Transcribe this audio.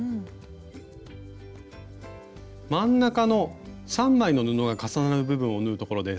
真ん中の３枚の布が重なる部分を縫うところです。